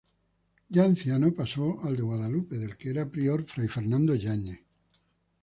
Ya anciano pasó al de Guadalupe, del que era prior fray Fernando Yáñez.